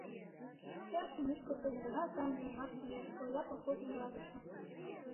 «Темше мӱшкыр дене гына сайын тунемаш лиеш», — ойла колхоз вуйлатыше.